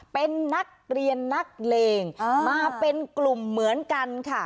เป็นนักเรียนนักเลงมาเป็นกลุ่มเหมือนกันค่ะ